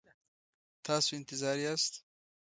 تاسو انتظار یاست؟